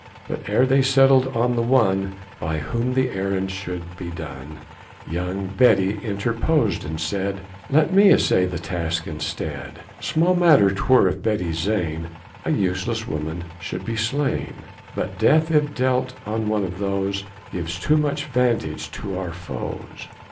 But ere they settled on the one By whom the errand should be done, Young Betty interposed, and said, "Let me essay the task instead. Small matter 'twere if Betty Zane, A useless woman, should be slain; But death, if dealt on one of those, Gives too much vantage to our foes."